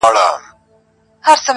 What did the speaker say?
چي ورته سر ټيټ كړمه ، وژاړمه_